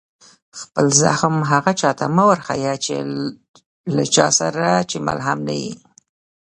خپل زخم هغه چا ته مه ورښيه، له چا سره چي ملهم نه يي.